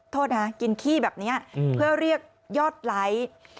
โทษนะกินขี้แบบนี้เพื่อเรียกยอดไลค์